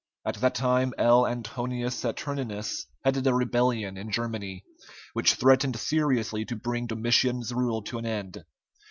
At that time L. Antonius Saturninus headed a rebellion in Germany, which threatened seriously to bring Domitian's rule to an end.